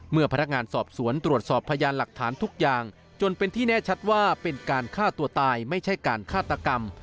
เมื่อพนักงานสอบสวนตรวจสอบพยานหลักฐานทุกอย่างจนเป็นที่แน่ชัดว่าเป็นการฆ่าตัวตายไม่ใช่การฆาตกรรม